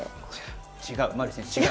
違う。